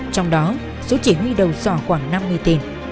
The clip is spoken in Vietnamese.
trong đó số chỉ huy đầu sò khoảng năm mươi tỉnh